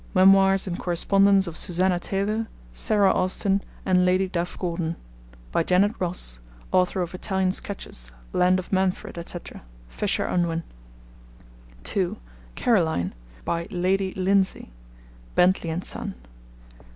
Memoirs and Correspondence of Susannah Taylor, Sarah Austin, and Lady Duff Gordon. By Janet Ross, Author of Italian Sketches, Land of Manfred, etc. (Fisher Unwin.) (2) Caroline. By Lady Lindsay. (Bentley and Son.)